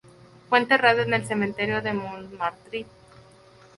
Fue enterrada en el Cementerio de Montmartre.